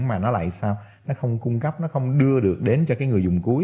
mà nó lại sao nó không cung cấp nó không đưa được đến cho cái người dùng cuối